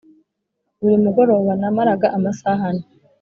Buri mugoroba namaraga amasaha ane